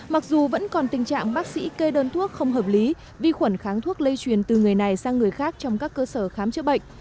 mặc dù vẫn còn tình trạng bác sĩ kê đơn thuốc không hợp lý vi khuẩn kháng thuốc lây truyền từ người này sang người khác trong các cơ sở khám chữa bệnh